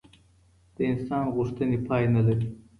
د انسان غوښتنې پای نه لري.